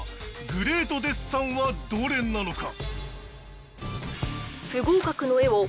グレートデッサンはどれなのか？